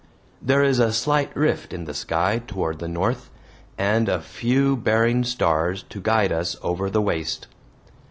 There is a slight rift in the sky toward the north, and a few bearing stars to guide us over the waste.